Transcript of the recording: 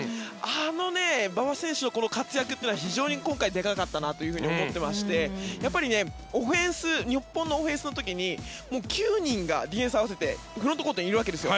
あの馬場選手の活躍というのは非常に今回、でかかったなと思ってまして日本オフェンスの時にディフェンス合わせて９人がフロントコートにいるわけですよ。